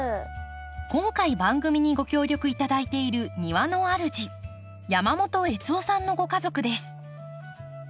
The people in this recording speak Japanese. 今回番組にご協力頂いている庭の主山本悦雄さんのご家族です。